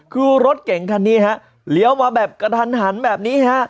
คือรถเก่งคันนี้ฮะเลี้ยวมาแบบกระทันหันแบบนี้ฮะ